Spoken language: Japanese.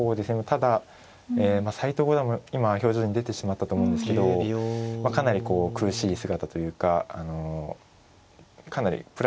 ただ斎藤五段は今表情に出てしまったと思うんですけどかなりこう苦しい姿というかかなりプランどおりじゃないなというのは